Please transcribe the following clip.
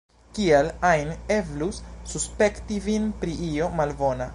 Kial ajn eblus suspekti vin pri io malbona!